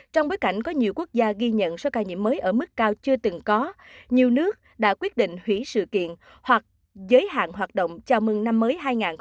trong bối cảnh có nhiều quốc gia ghi nhận số ca nhiễm mới ở mức cao chưa từng có nhiều nước đã quyết định hủy sự kiện hoặc giới hạn hoạt động chào mừng năm mới hai nghìn hai mươi bốn